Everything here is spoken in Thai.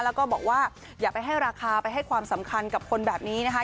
แล้วก็บอกว่าอย่าไปให้ราคาไปให้ความสำคัญกับคนแบบนี้นะคะ